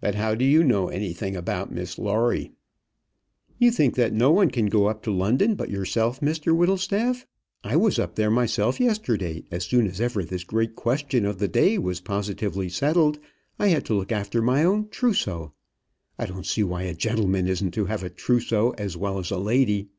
"But how do you know anything about Miss Lawrie?" "You think that no one can go up to London but yourself, Mr Whittlestaff. I was up there myself yesterday; as soon as ever this great question of the day was positively settled, I had to look after my own trousseau. I don't see why a gentleman isn't to have a trousseau as well as a lady.